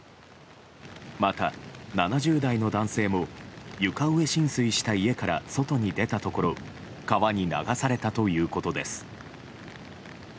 また、７０代の男性も床上浸水した家から外に出たところ川に流されたということです。